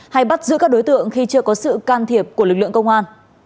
hay bắt giữ các đối tượng khi chưa có sự can thiệp của lực lượng công an